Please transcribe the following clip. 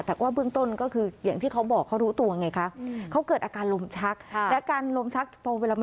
แต่ก็บุ่งต้นก็คืออย่างที่เขาบอกเขารู้ตัวไงครับ